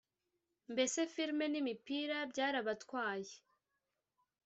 mbese filimi n’imipira byarabatwaye